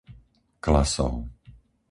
Klasov